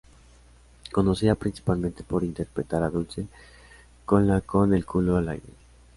Conocida principalmente por interpretar a Dulce en la Con el culo al aire.